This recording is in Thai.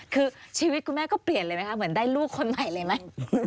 คือชีวิตคุณแม่ก็เปลี่ยนเลยไหมคะเหมือนได้ลูกคนใหม่เลยไหม